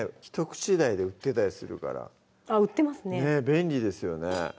１口大で売ってたりするからあっ売ってますね便利ですよね